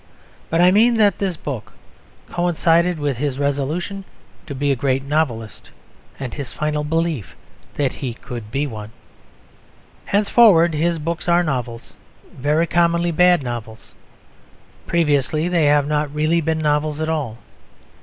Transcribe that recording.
But I mean that this book coincided with his resolution to be a great novelist and his final belief that he could be one. Henceforward his books are novels, very commonly bad novels. Previously they have not really been novels at all.